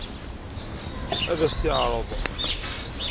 Ad as-t-yeɛṛeḍ?